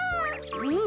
うん！